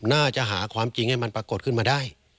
น่าจะหาความจริงให้มันปรากฏขึ้นมาได้